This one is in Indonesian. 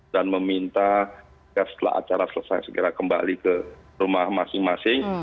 dan meminta setelah acara selesai segera kembali ke rumah masing masing